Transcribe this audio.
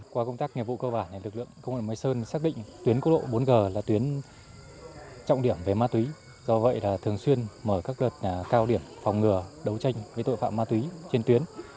qua công tác nghiệp vụ cơ bản lực lượng công an sơn xác định tuyến quốc lộ bốn g là tuyến trọng điểm về ma túy do vậy là thường xuyên mở các đợt cao điểm phòng ngừa đấu tranh với tội phạm ma túy trên tuyến